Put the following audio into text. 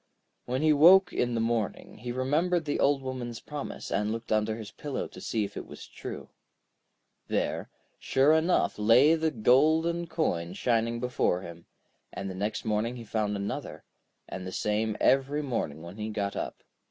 When he woke in the morning, he remembered the Old Woman's promise, and looked under his pillow to see if it was true. There, sure enough, lay the golden coin shining before him, and the next morning he found another, and the same every morning when he got up.